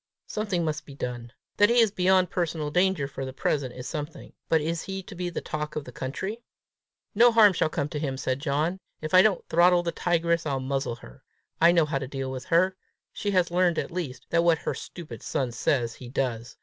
Something must be done. That he is beyond personal danger for the present is something; but is he to be the talk of the country?" "No harm shall come to him," said John. "If I don't throttle the tigress, I'll muzzle her. I know how to deal with her. She has learned at least, that what her stupid son says, he does!